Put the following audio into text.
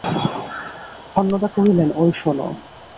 অন্নদা কহিলেন, ঐ শোনো।